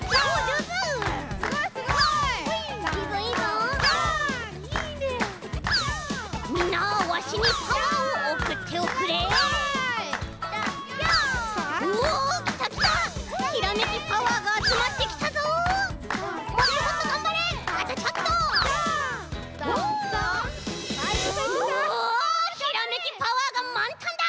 うおひらめきパワーがまんたんだ！